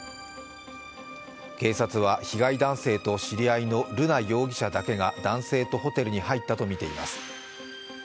警察は被害男性と知り合いの瑠奈容疑者だけが男性とホテルに入ったとみています。